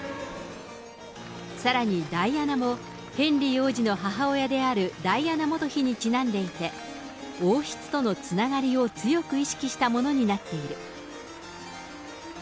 さらにダイアナも、ヘンリー王子の母親であるダイアナ元妃にちなんでいて、王室とのつながりを強く意識したものになっている。